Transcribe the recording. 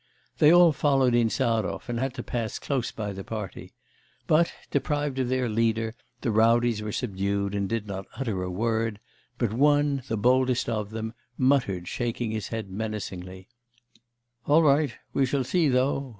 They all followed Insarov, and had to pass close by the party. But, deprived of their leader, the rowdies were subdued and did not utter a word; but one, the boldest of them, muttered, shaking his head menacingly: 'All right... we shall see though...